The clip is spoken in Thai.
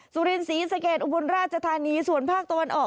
สุรินศรีสะเกดอุบลราชธานีส่วนภาคตะวันออก